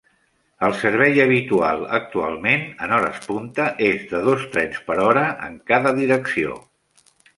El servei habitual actualment en hores punta és de dos trens per hora en cada direcció.